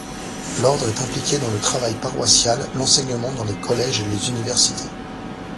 L'ordre est impliqué dans le travail paroissial, l'enseignement dans les collèges et les universités.